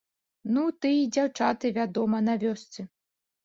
Ну, ты й дзяўчаты, вядома, на вёсцы.